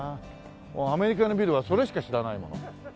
アメリカのビルはそれしか知らないもの。